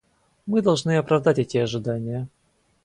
Мы должны оправдать эти ожидания.